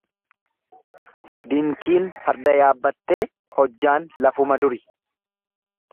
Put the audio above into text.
Dinkiin farda yaabbattee hojjaan lafuma duri.